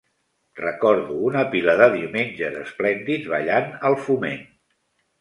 Recordo una pila de diumenges esplèndids ballant al Foment.